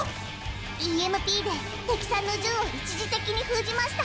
ＥＭＰで敵さんの銃を一時的に封じました。